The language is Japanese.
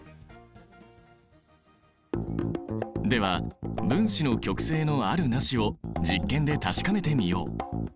では分子の極性のあるなしを実験で確かめてみよう。